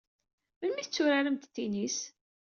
Melmi ay tetturaremt tennis?